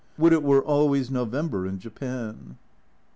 Would it were always November in Japan